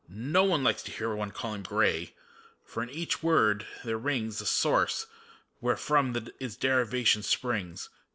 No one likes to hear One call him gray. For in each word there rings The source, wheiefrom its derivation springs.